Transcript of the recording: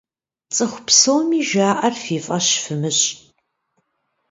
ЦӀыху псоми жаӀэр фи фӀэщ фымыщӀ!